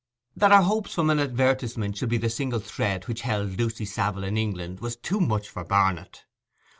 That her hopes from an advertisement should be the single thread which held Lucy Savile in England was too much for Barnet.